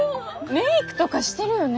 メークとかしてるよね？